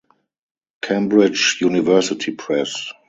Cambridge University Press.